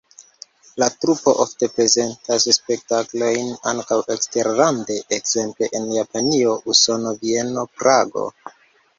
La trupo ofte prezentas spektaklojn ankaŭ eksterlande, ekzemple en Japanio, Usono, Vieno, Prago.